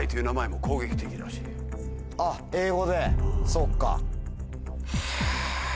そっか。